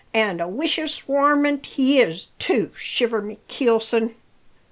And a wicious warmint he is, too, shiver my keelson!